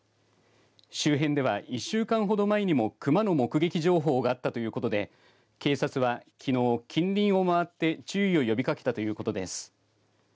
周辺では１週間ほど前にもクマの目撃情報があったということで警察はきのう近隣を回って注意を呼びかけたということです。